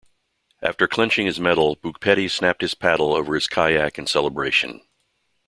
After clinching his medal Boukpeti snapped his paddle over his kayak in celebration.